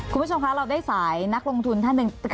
คุณผู้ชมคะเราได้สายนักลงทุนท่านหนึ่ง